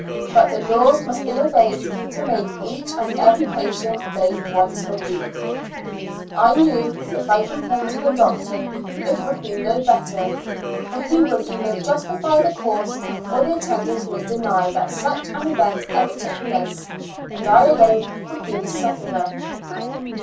But the laws must be obeyed to make each and every patient bathe once a week. I knew if I complained to the doctor, it would be no better, for he would either justify the course, or the attendants would deny that 58 ^^^0 Years and Four Months such an event ever took place, and I alone would be the sufferer.